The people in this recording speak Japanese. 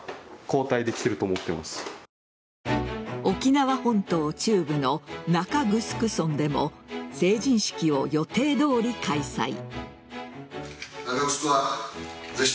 沖縄本島中部の中城村でも成人式を予定どおり開催。